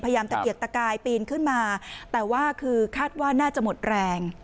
ตะเกียกตะกายปีนขึ้นมาแต่ว่าคือคาดว่าน่าจะหมดแรง